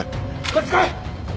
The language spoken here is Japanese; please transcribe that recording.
こっち来い。